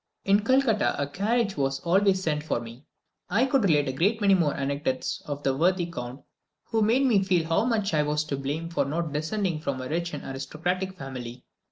In Calcutta, a carriage was always sent for me. I could relate a great many more anecdotes of the worthy count, who made me feel how much I was to blame for not descending from a rich and aristocratic family.